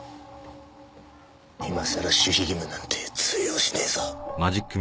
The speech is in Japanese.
今さら守秘義務なんて通用しねえぞ。